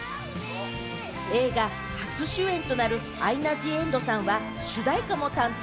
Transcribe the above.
映画初主演となるアイナ・ジ・エンドさんは主題歌も担当。